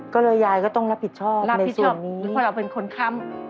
ก็เลยยายก็ต้องรับผิดชอบในส่วนนี้รับผิดชอบเพราะเราเป็นคนคำ